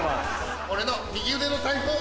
俺の右腕の大砲